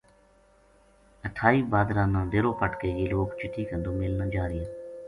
اٹھائی بھادرا نا ڈیرو پٹ کے یہ لوک چٹی کا دومیل ما جا رہیا